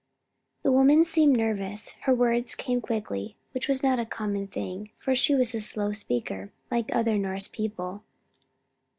The good woman seemed nervous. Her words came quickly, which was not a common thing, for she was a slow speaker, like other Norse people.